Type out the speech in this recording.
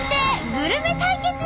グルメ対決！